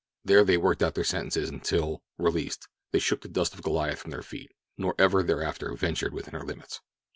There they worked out their sentences until, released, they shook the dust of Goliath from their feet, nor ever thereafter ventured within her limits.